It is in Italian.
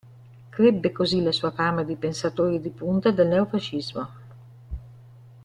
Crebbe così la sua fama di pensatore di punta del neofascismo.